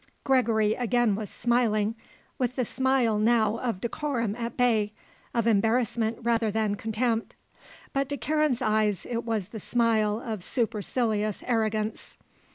Gregory again was smiling, with the smile now of decorum at bay, of embarrassment rather than contempt; but to Karen's eyes it was the smile of supercilious arrogance.